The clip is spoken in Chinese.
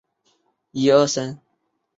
女子赛事的胜者是美国队。